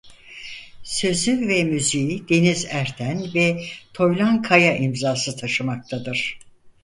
Sözü ve müziği Deniz Erten ve Toylan Kaya imzası taşımaktadır.